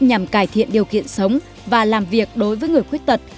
nhằm cải thiện điều kiện sống và làm việc đối với người khuyết tật